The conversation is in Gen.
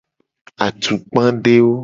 Atukpadewo.